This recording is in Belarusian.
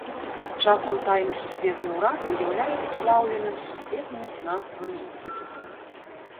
Часам тайны сусветны ўрад уяўляюць сплаўленым з сусветнымі фінансавымі інстытутамі.